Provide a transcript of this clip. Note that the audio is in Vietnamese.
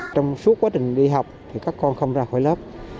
trong suốt quá trình đi học thì các con không ra khỏi lớp